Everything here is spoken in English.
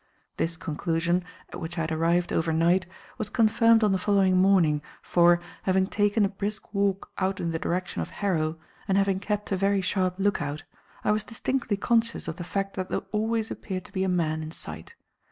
This conclusion, at which I had arrived overnight, was confirmed on the following morning, for, having taken a brisk walk out in the direction of Harrow, and having kept a very sharp look out, I was distinctly conscious of the fact that there always appeared to be a man in sight.